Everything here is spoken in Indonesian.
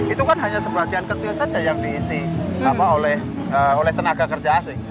itu kan hanya sebagian kecil saja yang diisi oleh tenaga kerja asing